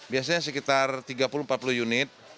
biasanya sekitar tiga puluh empat puluh unit